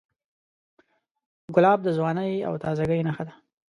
ګلاب د ځوانۍ او تازهګۍ نښه ده.